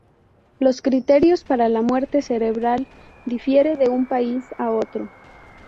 Los criterios para la muerte cerebral difiere de un país a otro.